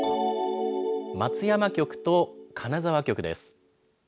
松山局と金沢局です。